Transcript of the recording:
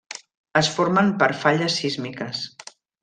Es formen per falles sísmiques.